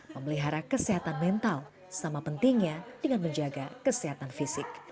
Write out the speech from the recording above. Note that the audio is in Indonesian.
memelihara kesehatan mental sama pentingnya dengan menjaga kesehatan fisik